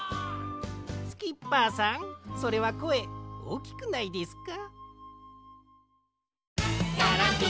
スキッパーさんそれはこえおおきくないですか？